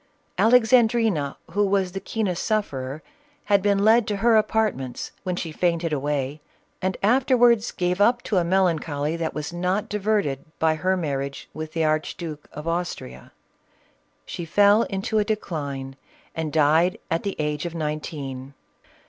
Alexandrina, who was the keenest sufferer, had been led to her apartments, when she fainted away, and afterwards gave up to a melancholy, that was not diverted by her marriage with the Archduke of Austria. She fell into a decline, and died at the age of nineteen.